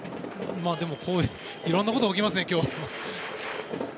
いろいろなことが起きますね今日。